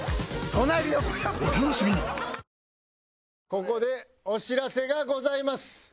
ここでお知らせがございます。